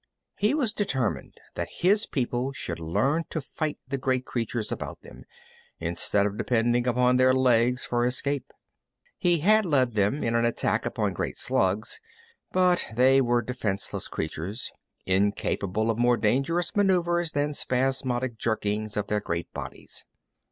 He was determined that his people should learn to fight the great creatures about them, instead of depending upon their legs for escape. He had led them in an attack upon great slugs, but they were defenseless creatures, incapable of more dangerous maneuvers than spasmodic jerkings of their great bodies.